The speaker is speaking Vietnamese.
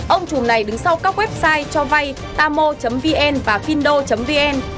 ông chùm này đứng sau các website cho vay tamo vn và findo vn